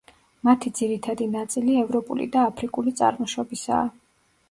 მათი ძირითადი ნაწილი ევროპული და აფრიკული წარმოშობისაა.